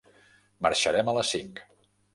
Marxarem a les cinc.